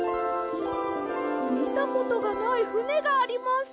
みたことがないふねがあります！